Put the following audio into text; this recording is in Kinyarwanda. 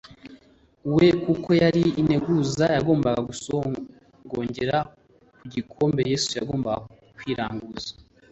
We kuko yari integuza yagombaga gusogongera ku gikombe Yesu yagombaga kwiranguza.